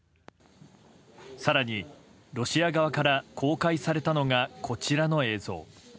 更にロシア側から公開されたのが、こちらの映像。